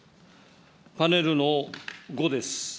パネルの５です。